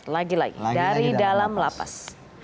lagi lagi dari dalam lapas